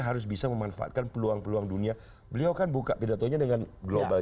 harus bisa memanfaatkan peluang peluang dunia beliau kan buka pidatonya dengan global